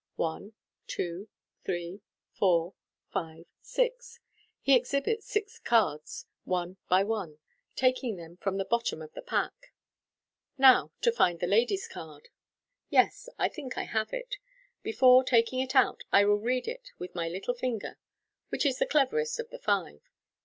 One, two, three, four, five, six." (He exhibits six cards one by one, taking them from the bottom of the pack.) " Now to find the lady's card/ MODERN MAGIC p) Yes, I think I have it. Before taking it out, I will read it with my little finger, which is the cleverest of the five.